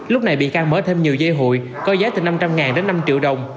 lúc này bị can mở thêm nhiều dây hụi có giá từ năm trăm linh đến năm triệu đồng